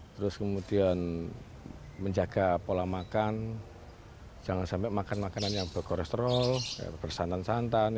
terus kemudian menjaga pola makan jangan sampai makan makanan yang berkolesterol bersantan santan